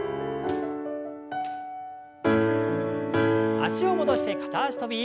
脚を戻して片脚跳び。